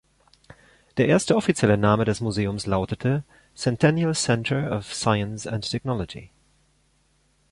Der erste offizielle Name des Museums lautete "Centennial Centre of Science and Technology".